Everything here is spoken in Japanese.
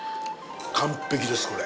完璧です、これ。